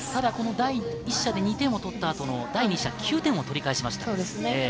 第１射で２点を取った後の第２射、９点を取り返しましたね。